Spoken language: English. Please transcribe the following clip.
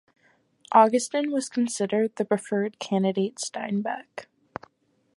Augustin was considered the preferred candidate Steinbeck.